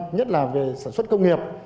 nhất là về sản xuất công nghiệp